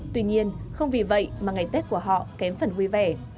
tuy nhiên không vì vậy mà ngày tết của họ kém phần vui vẻ